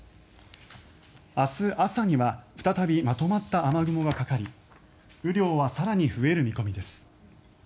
明日朝には再びまとまった雨雲がかかり雨量は更に増える見込みです。